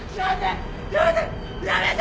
やめて！